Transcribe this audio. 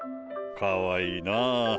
かわいいな。